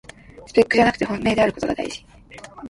スペックじゃなくて本命であることがだいじ